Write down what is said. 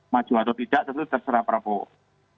maju atau tidak tentu terserah prabowo